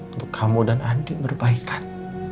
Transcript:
untuk kamu dan andi berbaikan